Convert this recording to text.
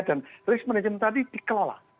dan risk management tadi dikelola